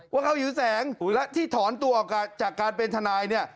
ว่าเขาหิวแสงและที่ถอนตัวออกจากการเป็นทนายเนี่ย